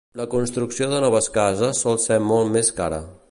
La construcció de noves cases sol ser molt més cara.